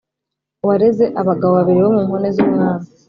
Wareze abagabo babiri bo mu nkone z umwami